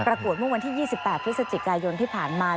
ปรากฏเมื่อวันที่๒๘พฤศจิกายนที่ผ่านมา